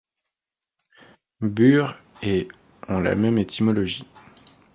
Bure et ont la même étymologie.